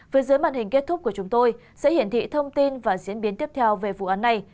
với dưới màn hình kết thúc của chúng tôi sẽ hiển thị thông tin và diễn biến tiếp theo về vụ án này